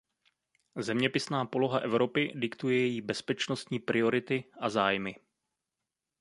Zeměpisná poloha Evropy diktuje její bezpečnostní priority a zájmy.